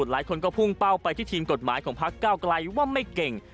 หลายคนก็พุ่งเป้าไปที่ทีมกฎหมายของพักเก้าไกลว่าไม่เก่ง